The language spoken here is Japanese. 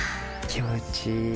気持ちいい。